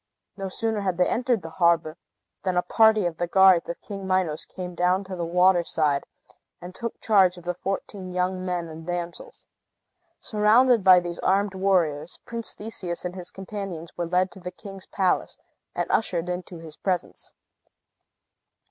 No sooner had they entered the harbor than a party of the guards of King Minos came down to the water side, and took charge of the fourteen young men and damsels. Surrounded by these armed warriors, Prince Theseus and his companions were led to the king's palace, and ushered into his presence.